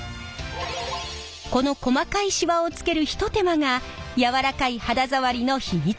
この細かいシワをつける一手間が柔らかい肌触りの秘密なんです。